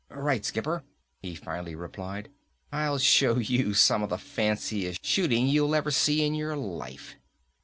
"Right, skipper," he finally replied. "I'll show you some of the fanciest shooting you'll ever see in your life!"